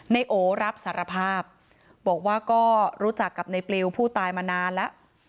ในโอรับสารภาพบอกว่าก็รู้จักกับในปลิวผู้ตายมานานแล้ว